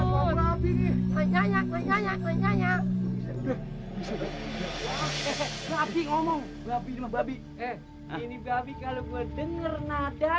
aduh aduh aduh aduh aduh aduh